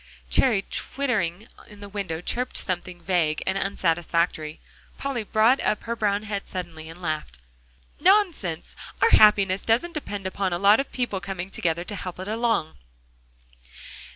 Cherry, twittering in the window, chirped something vague and unsatisfactory. Polly brought up her brown head suddenly and laughed. "Nonsense! our happiness doesn't depend upon a lot of people coming together to help it along.